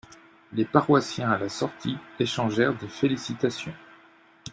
Les paroissiens à la sortie, échangèrent des félicitations.